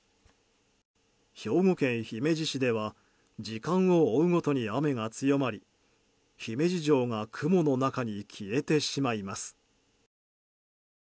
兵庫県姫路市では時間を追うごとに雨が強まり姫路城が雲の中に消えてしまいます。